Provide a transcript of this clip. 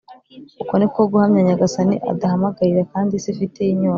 uko ni ko guhamya nyagasani aduhamagarira kandi isi ifitiye inyota